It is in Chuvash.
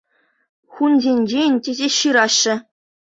Хунсенчен тесе ҫыраҫҫӗ.